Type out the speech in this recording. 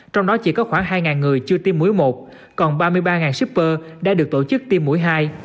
trong đó chỉ có khoảng hai người chưa tiêm mũi một còn ba mươi ba shipper đã được tổ chức tiêm mũi hai